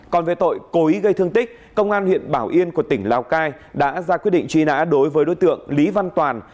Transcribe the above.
còn về tội cố ý gây thương tích công an huyện bảo yên của tỉnh lào cai đã ra quyết định truy nã đối với đối tượng lý văn toàn